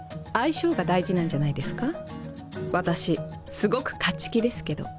すごく勝ち気ですけど。